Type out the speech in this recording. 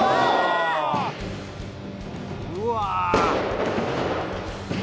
うわ！